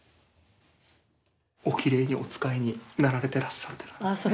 おきれいにお使いになられてらっしゃってます。